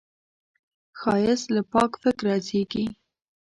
ښایست له پاک فکره زېږي